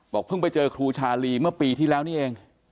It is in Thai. เพิ่งไปเจอครูชาลีเมื่อปีที่แล้วนี่เอง